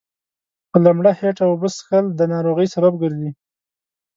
په لمړه هيټه اوبه څښل دا ناروغۍ سبب ګرځي